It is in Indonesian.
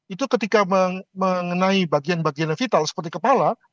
itu ketika mengenai bagian bagian vital seperti kepala